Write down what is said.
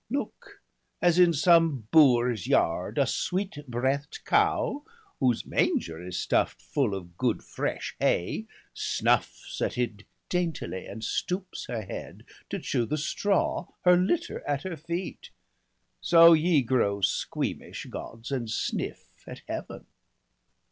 Look, as in some boor's yard a sweet breath'd cow. Whose manger is stuff'd full of good fresh hay, Snuffs at it daintily, and stoops her head To chew the straw, her Htter, at her feet — So ye grow squeamish, Gods, and sniff at Heaven